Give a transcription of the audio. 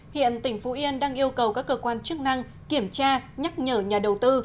hiện tỉnh phú yên đang yêu cầu các cơ quan chức năng kiểm tra nhắc nhở nhà đầu tư